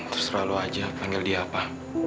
terserah lu aja panggil dia apa